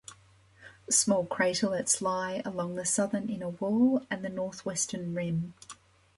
Small craterlets lie along the southern inner wall and the northwestern rim.